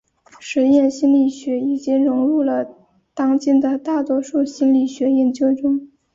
实验心理学已经融入了当今的大多数心理学研究中。